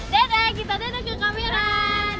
dadah kita dadah ke kameran